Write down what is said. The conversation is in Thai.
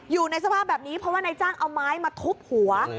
อยู่ในสภาพแบบนี้เพราะว่านายจ้างเอาไม้มาทุบหัว